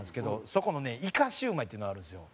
そこのねいかしゅうまいっていうのがあるんですよ。